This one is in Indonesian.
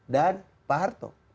dan pak harto